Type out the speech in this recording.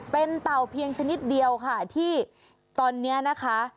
เป็นเต่าเพียงชนิดเดียวค่ะที่ตอนนี้นะคะ